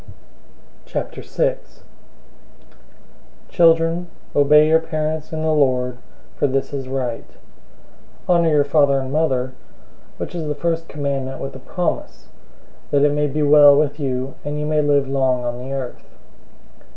006:001 Children, obey your parents in the Lord, for this is right. 006:002 "Honor your father and mother," which is the first commandment with a promise: 006:003 "that it may be well with you, and you may live long on the earth."